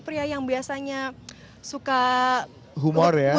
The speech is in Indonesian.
pria yang biasanya suka humor ya